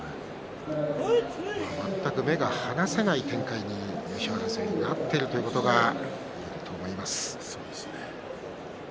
全く目が離せない展開優勝争いになっているということがいえると思います。